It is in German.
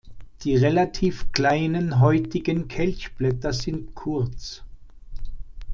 Die relativ kleinen, häutigen Kelchblätter sind kurz.